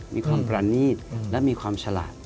มีความประนีตและมีความฉลาด